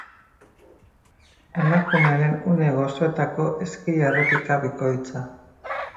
Emakumearen une gozoetako ezkila-errepika bikoitza!